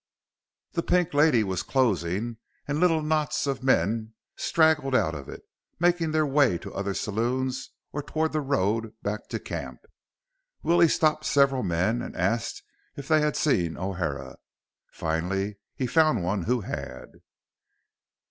The Pink Lady was closing, and little knots of men straggled out of it, making their way to other saloons or toward the road back to camp. Willie stopped several men and asked if they had seen O'Hara. Finally, he found one who had.